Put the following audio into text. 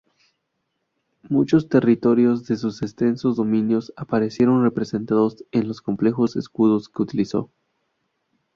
Muchos territorios de sus extensos dominios aparecieron representados en los complejos escudos que utilizó.